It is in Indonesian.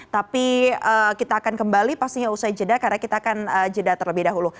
tapi kita akan kembali pastinya usai jeda karena kita akan jeda terlebih dahulu